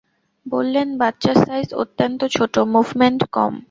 বললেন, বাচ্চার সাইজ অত্যন্ত ছোট, মুভমেন্ট কম।